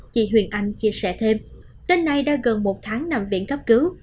chị huyền anh chia sẻ thêm đến nay đã gần một tháng nằm viện cấp cứu